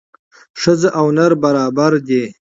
ښځه او نر برابر دي